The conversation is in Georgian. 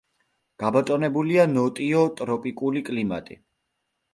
გაბატონებულია ნოტიო ტროპიკული კლიმატი.